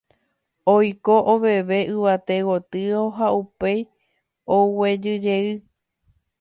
oiko oveve yvate gotyo ha upéi oguejyjey